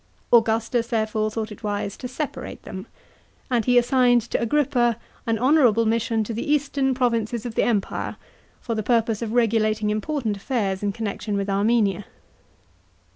Augustus, therefore, thought it wise to separate them, and he assigned to Agrippa an honourable mission to the eastern provinces of the Empire, for the purpose of regulating important affairs in connection with Armenia.